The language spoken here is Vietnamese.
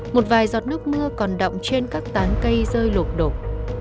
một vài giọt nước mưa còn động trên các tán cây rơi lột đột